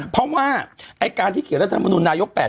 เพราะว่าการที่เขียนรัฐธรรมนูญนายก๘ปี